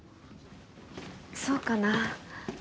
そうかな？